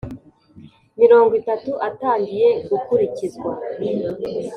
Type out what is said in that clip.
mirongo itatu atangiye gukurikizwa